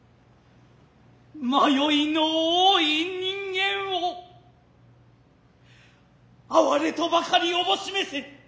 迷の多ひ人間をあはれとばかり思召せ。